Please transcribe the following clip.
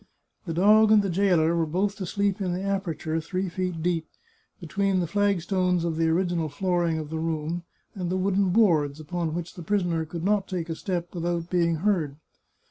The dog and the jailer were both to sleep in the aperture, three feet deep, between the flag stones of the original flooring of the room and the wooden boards, upon which the prisoner could not take a step without being heard.